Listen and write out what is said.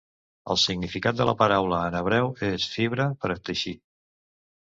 El significat de la paraula en hebreu és fibra per teixir.